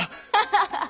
ハハハッ！